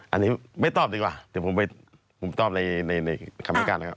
อันนี้ไม่ตอบดีกว่าเดี๋ยวผมตอบในคำให้การนะครับ